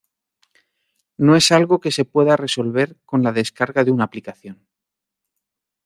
no es algo que se pueda resolver con la descarga de una aplicación